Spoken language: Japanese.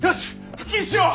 腹筋しよう！